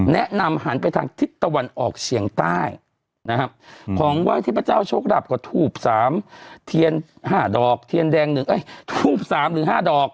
แนะนำหันไปทางทิศตะวันออกเฉียงใต้นะครับของไหว้เทพเจ้าโชคดาบก็ทูบ๓ทุ่ม๓หรือ๕ดอก